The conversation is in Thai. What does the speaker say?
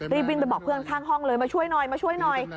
รีบบินไปบอกเพื่อนข้างห้องเลยมาช่วยหน่อย